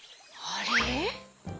あれ？